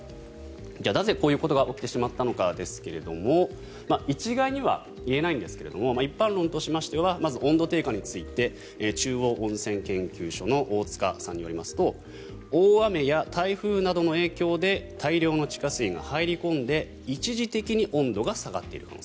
なぜ、こういうことが起きてしまったのかですが一概には言えないんですが一般論としてはまず温度低下について中央温泉研究所の大塚さんによりますと大雨や台風などの影響で大量の地下水が入り込んで一時的に温度が下がっている可能性。